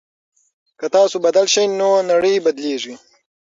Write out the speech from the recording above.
که تاسو بدل شئ نو نړۍ بدليږي.